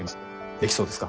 できそうですか？